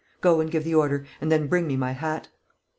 Go and give the order, and then bring me my hat."